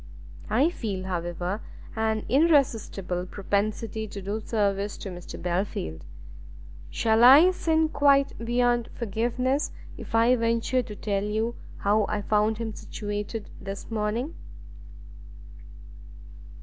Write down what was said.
I feel, however, an irresistible propensity to do service to Mr Belfield; shall I sin quite beyond forgiveness if I venture to tell you how I found him situated this morning?"